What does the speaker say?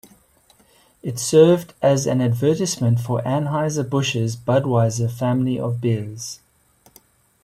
It served as an advertisement for Anheuser-Busch's Budweiser family of beers.